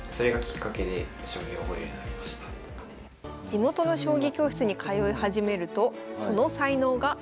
地元の将棋教室に通い始めるとその才能が開花し始めます。